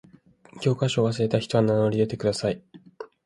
教科書を忘れた人は名乗り出てください。